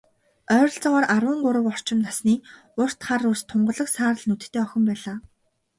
Ойролцоогоор арван гурав орчим насны, урт хар үс, тунгалаг саарал нүдтэй охин байлаа.